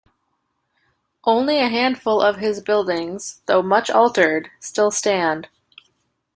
Only a handful of his buildings, though much altered, still stand.